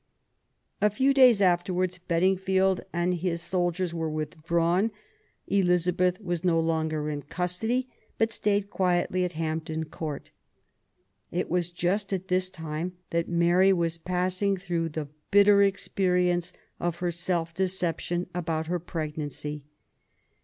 A few days afterwards, Bedingfield and his soldiers were withdrawn. Elizabeth was no longer in custody, but stayed quietly at Hampton Court. It was just at this time that Mary was passing through the bitter experience of her self deception about her pregnancy.